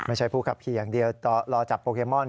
ผู้ขับขี่อย่างเดียวรอจับโปเกมอน